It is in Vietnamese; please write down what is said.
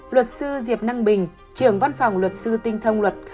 luật sư dịp năng bình